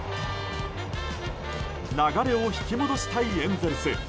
流れを引き戻したいエンゼルス。